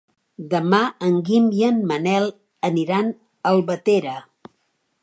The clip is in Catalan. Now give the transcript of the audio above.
Demà en Guim i en Manel aniran a Albatera.